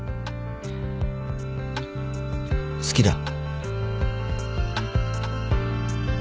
好きだ。